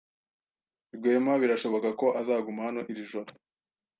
Rwema birashoboka ko azaguma hano iri joro.